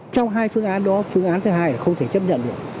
trong hai phương án đó phương án thứ hai là không thể chấp nhận được